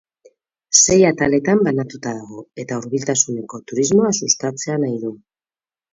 Sei ataletan banatuta dago eta hurbiltasuneko turismoa sustatzea nahi du.